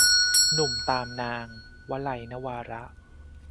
หนุ่มตามนาง - วลัย นวาระ